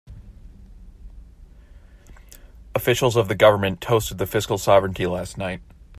Officials of the government toasted the fiscal sovereignty last night.